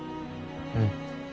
うん。